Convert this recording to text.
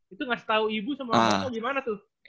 itu ngasih tau ibu sama bapak gimana tuh